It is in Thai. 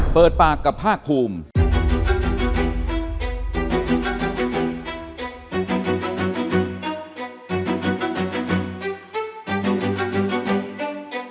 เปิดปากกับภาคภูมิ